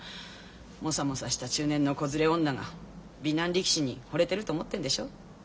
モサモサした中年の子連れ女が美男力士にほれてると思ってんでしょ？